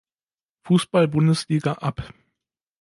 Fußball-Bundesliga ab.